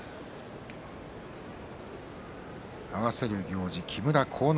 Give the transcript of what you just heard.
合わせる行司、木村晃之